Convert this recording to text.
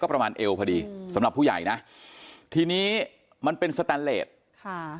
ประมาณเอวพอดีสำหรับผู้ใหญ่นะทีนี้มันเป็นสแตนเลสค่ะ